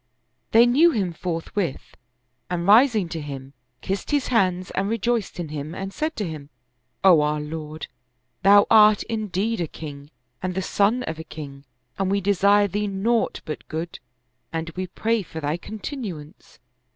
They knew him forthwith and rising to him, kissed his hands and rejoiced in him and said to him, " O our lord, thou art indeed a king and the son of a king, and we desire thee naught but good and we pray for thy continuance.